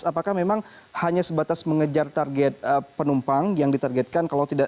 apakah memang hanya sebatas mengejar target penumpang yang ditargetkan